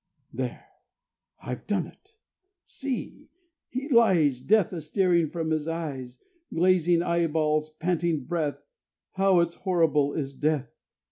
... There! I've done it. See! He lies Death a staring from his eyes; Glazing eyeballs, panting breath, How it's horrible, is Death!